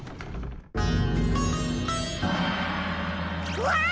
うわ！